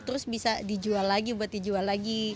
terus bisa dijual lagi buat dijual lagi